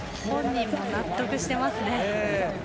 本人も納得していますね。